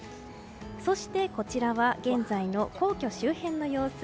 そして、こちらは現在の皇居周辺の様子。